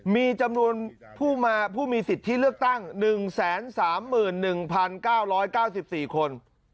มีจำนวนผู้มีสิทธิเลือกตั้ง๑๓๑๙๙๔คน